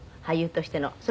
俳優としての。